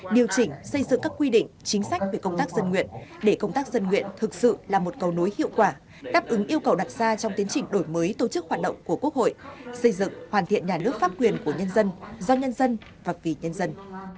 điều chỉnh xây dựng các quy định chính sách về công tác dân nguyện để công tác dân nguyện thực sự là một cầu nối hiệu quả đáp ứng yêu cầu đặt ra trong tiến trình đổi mới tổ chức hoạt động của quốc hội xây dựng hoàn thiện nhà nước pháp quyền của nhân dân do nhân dân và vì nhân dân